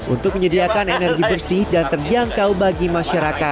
untuk menyediakan energi bersih dan terjangkau bagi masyarakat